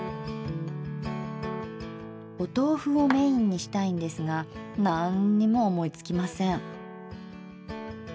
お豆腐をメインにしたいんですがなんっにも思いつきません。